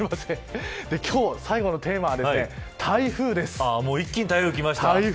今日、最後のテーマは一気に台風きました。